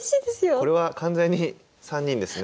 これは完全に３人ですね。